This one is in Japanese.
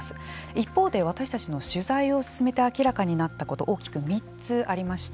一方で、私たちの取材を進めて明らかになったこと大きく３つありました。